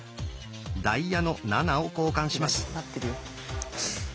「ダイヤの７」を交換します。